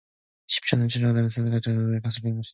시집도 안 간 처녀가 남의 사내와 같이 다니는 것이 눈에 거슬렸던 것이다.